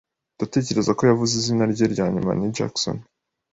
Ndatekereza ko yavuze izina rye ryanyuma ni Jackson.